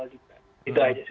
itu aja sih paling